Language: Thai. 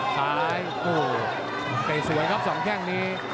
ซ้ายโอ้โหไม่สวยครับสองแข้งนี้